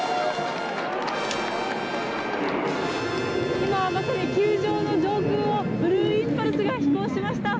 今、まさに球場の上空をブルーインパルスが飛行しました。